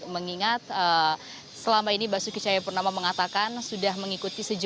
mengingat selama ini basuki cahayapurnama mengatakan sudah mengikuti sejumlah